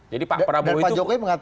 jadi pak prabowo itu